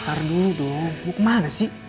ntar dulu dong kemana sih